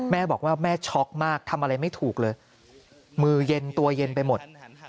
แม่บอกว่าแม่ช็อกมากทำอะไรไม่ถูกเลยมือเย็นตัวเย็นไปหมด